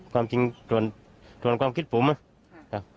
ความจริงส่วนความคิดผมนะครับ